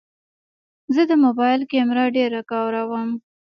زه د موبایل کیمره ډېره کاروم.